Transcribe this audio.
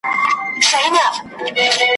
په دې کورکي رنګ په رنګ وه سامانونه ,